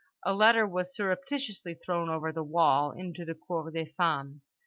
A letter was surreptitiously thrown over the wall into the cour des femmes.